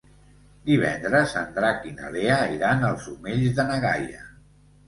Divendres en Drac i na Lea iran als Omells de na Gaia.